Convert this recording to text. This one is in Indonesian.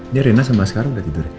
ini rena sama asgara udah tidur ya